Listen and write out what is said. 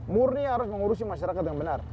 murni harus mengurusi masyarakat yang benar